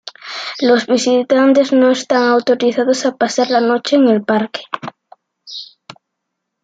Los visitantes no están autorizados a pasar la noche en el parque.